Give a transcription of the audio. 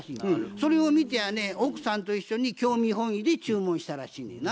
それを見てやね奥さんと一緒に興味本位で注文したらしいねんな。